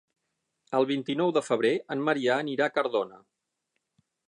El vint-i-nou de febrer en Maria anirà a Cardona.